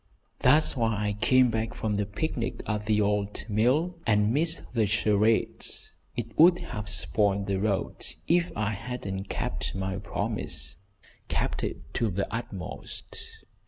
"That's why I came back from the picnic at the old mill and missed the charades. It would have spoiled the road if I hadn't kept my promise, kept it to the utmost.